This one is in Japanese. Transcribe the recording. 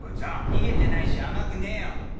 逃げてないし甘くねえよ。